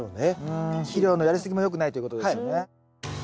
肥料のやりすぎも良くないということですよね。